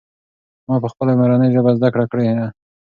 ما پخپله مورنۍ ژبه زده کړه کړې ده.